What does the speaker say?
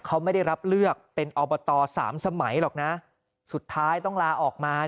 เขาไม่ได้รับเลือกเป็นอบตสามสมัยหรอกนะสุดท้ายต้องลาออกมา